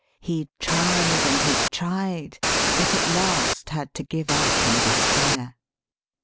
He tried, and he tried, but at last had to give up in despair.